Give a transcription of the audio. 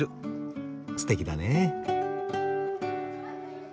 すてきだね。